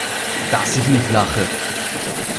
Dass ich nicht lache!